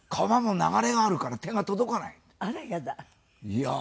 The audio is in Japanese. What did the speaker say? いやあ。